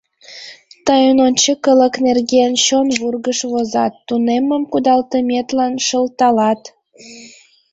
— Тыйын ончыкылык нерген чон вургыж возат, тунеммым кудалтыметлан шылталат.